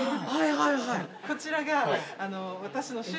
こちらが。